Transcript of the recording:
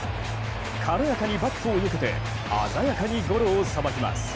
軽やかにバットをよけて鮮やかにゴロをさばきます。